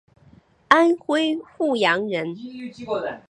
安徽阜阳人。